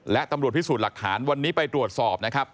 และตำรวจพิสูจน์หลักฐานวันนี้ไปตรวจสอบนะครับ